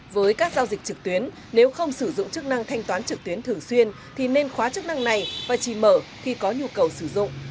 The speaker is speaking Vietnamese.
với các giao dịch trực tuyến nếu không sử dụng chức năng thanh toán trực tuyến thường xuyên thì nên khóa chức năng này và chỉ mở khi có nhu cầu sử dụng